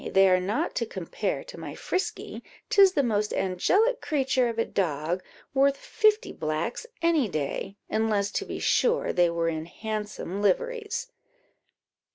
they are not to compare to my Frisky; 'tis the most angelic creature of a dog! worth fifty blacks any day, unless, to be sure, they were in handsome liveries."